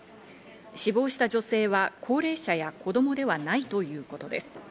死亡した女性は高齢者や子供ではないということです。